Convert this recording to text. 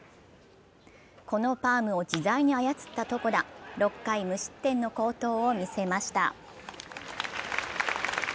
このパームを自在に操った床田、６回無失点の好投を見せました。